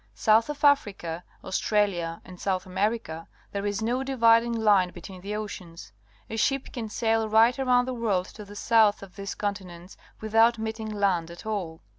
South of Africa, Australia, and South America, there is no dividing line between the oceans. A ship can sail right around the world to the south of these continents without meeting land at all.